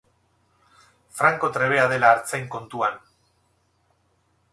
Franko trebea dela artzain kontuan.